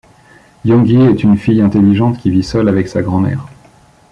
Younghee est une fille intelligente qui vit seule avec sa grand-mère.